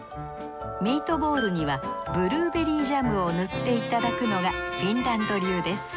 ミートボールにはブルーベリージャムを塗っていただくのがフィンランド流です。